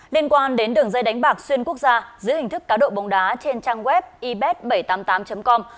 liên quan đến đường dây đánh bạc xuyên quốc gia dưới hình thức cá độ bóng đá trên trang web ib bảy trăm tám mươi tám com